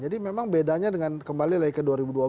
jadi memang bedanya dengan kembali lagi ke dua ribu dua belas